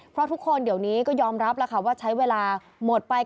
เพราะทุกคนเดี๋ยวนี้ก็ยอมรับแล้วค่ะว่าใช้เวลาหมดไป